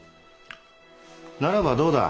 ならばどうだ？